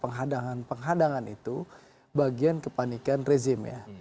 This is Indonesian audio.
penghadangan penghadangan itu bagian kepanikan rezim ya